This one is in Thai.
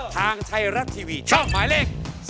ทางไทยรัฐทีวีช่องหมายเลข๒